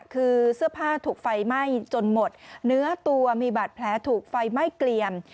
คือเสื้อผ้าถูกไฟไหม้จนหมดเนื้อตัวมีบาดแผลถูกไฟไหม้เกลี่ยม